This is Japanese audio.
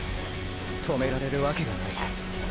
止められるわけがない。